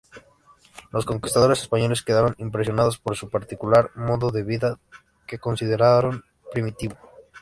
Los conquistadores españoles quedaron impresionados por su particular modo de vida, que consideraron primitivo.